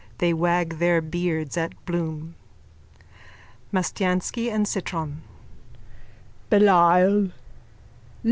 They wag their beards at Bloom.)_ MASTIANSKY AND CITRON: Belial!